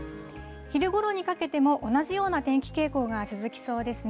昼ごろにかけても同じような天気傾向が続きそうですね。